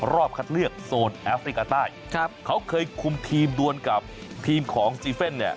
รอบคัดเลือกโซนแอฟริกาใต้ครับเขาเคยคุมทีมดวนกับทีมของจีเฟ่นเนี่ย